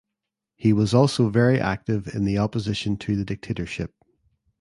He was also very active in the opposition to the dictatorship.